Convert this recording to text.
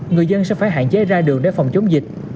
người dân sẽ phải hạn chế ra đường để phòng chống dịch